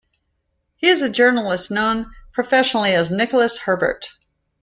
He is a journalist known professionally as Nicholas Herbert.